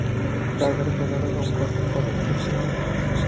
দয়া করে কোনরকম কঠোর পদক্ষেপ নিও না।